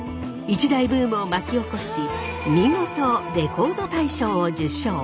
一大ブームを巻き起こし見事レコード大賞を受賞。